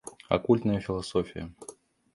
Оккультная философия.